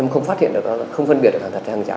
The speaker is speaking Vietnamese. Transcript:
không phân biệt là giả